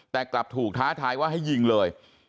แต่กลับถูกท้าทายว่าให้ยิงเลย